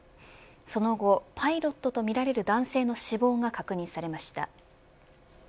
その後、パイロットとみられる男性の死亡が確認されました。